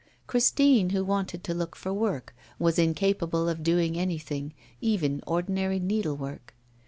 Christine, who wanted to look for work, was incapable of doing anything, even ordinary needlework.